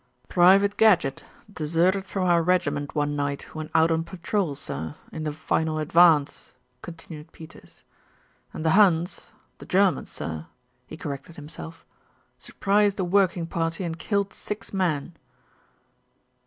"Private Gadgett deserted from our regiment one night when out on patrol, sir, in the final advance," continued Peters, "and the Huns the Germans, sir," he corrected himself, "surprised a working party and killed six men."